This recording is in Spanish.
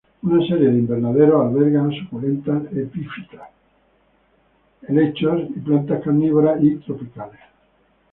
Una serie de invernaderos albergan a suculentas, epífitas, helechos, y plantas carnívoras, y tropicales.